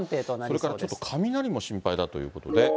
それからちょっと雷も心配だということで。